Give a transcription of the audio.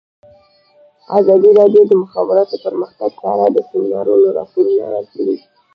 ازادي راډیو د د مخابراتو پرمختګ په اړه د سیمینارونو راپورونه ورکړي.